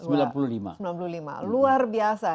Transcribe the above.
itu luar biasa